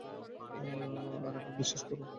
আর এখন বিশ্বাস কর?